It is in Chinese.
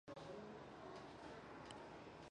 安明县是越南坚江省下辖的一个县。